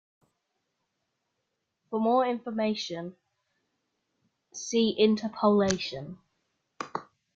For more information, see interpolation.